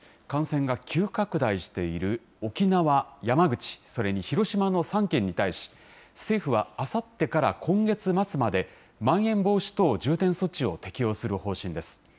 感染が急拡大している沖縄、山口、それに広島の３県に対し、政府はあさってから今月末まで、まん延防止等重点措置を適用する方針です。